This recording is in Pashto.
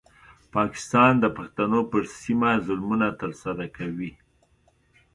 پاکستان د پښتنو پر سیمه ظلمونه ترسره کوي.